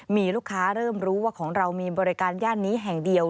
มีลูกค้าเริ่มรู้ว่าของเรามีบริการย่านนี้แห่งเดียว